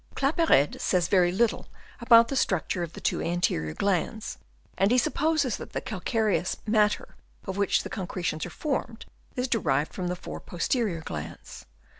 Claparede says very little about the structure of the two anterior glands, and he supposes that the calcareous matter of which the concretions are formed is derived from the four posterior glands.